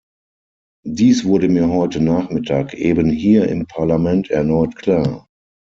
Dies wurde mir heute Nachmittag eben hier im Parlament erneut klar.